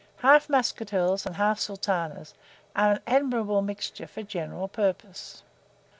Half Muscatels and half Sultanas are an admirable mixture for general purposes.